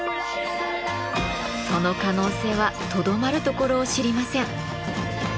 その可能性はとどまるところを知りません。